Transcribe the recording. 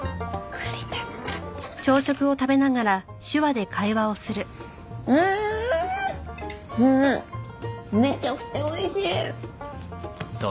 これめちゃくちゃおいしい！